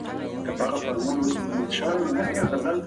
د ماشومانو روغتیا ته پام وکړئ.